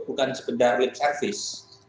bukan sekedar lip servic